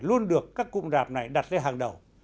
luôn được các cụm rạp này đặt ra hàng đầu